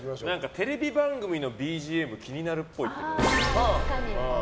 テレビ番組のＢＧＭ気になるっぽい。